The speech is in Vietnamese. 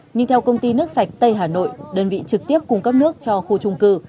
nhưng theo công ty nước sạch tây hà nội đơn vị trực tiếp cung cấp nước cho khu trung cư